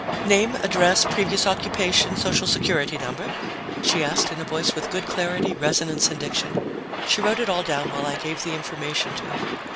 "Name, address, previous occupation, social security number?" she asked in a voice with good clarity, resonance and diction. She wrote it all down while I gave the information to her.